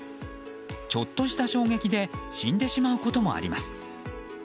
ちょっとした衝撃で死んでしまうこともあります。